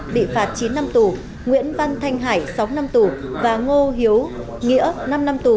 bị phạt chín năm tù nguyễn văn thanh hải sáu năm tù và ngô hiếu nghĩa năm năm tù